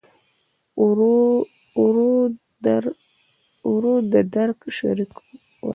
ورور د درد شریک وي.